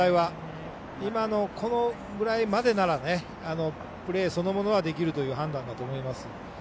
今の、このぐらいまでならプレーそのものはできるという判断だと思います。